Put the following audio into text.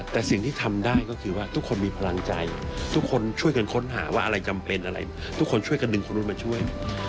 แต่สิ่งที่ทำได้ก็คือว่าทุกคนมีพลังใจทุกคนช่วยกันค้นหาว่าอะไรจำเป็นอะไรทุกคนช่วยกันดึงคนนู้นมาช่วย